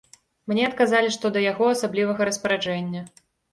Мне адказалі, што да яго асаблівага распараджэння.